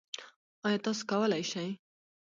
ایا تاسو کولی شئ؟